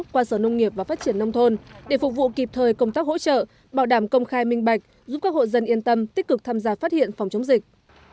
qua sở nông nghiệp và phát triển nông thôn để phục vụ kịp thời công tác hỗ trợ bảo đảm công khai minh bạch giúp các hộ dân yên tâm tích cực tham gia phát hiện phòng chống dịch